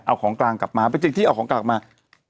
เอาของกลางกลับมาเป็นสิ่งที่เอาของกลางกลับมา